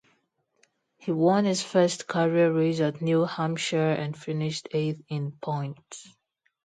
He won his first career race at New Hampshire and finished eighth in points.